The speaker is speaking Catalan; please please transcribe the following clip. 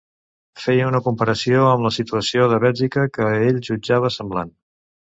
Feia una comparació amb la situació de Bèlgica, que ell jutjava semblant.